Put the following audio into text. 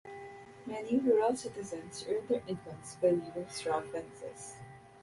Many rural citizens earn their incomes by weaving straw fences.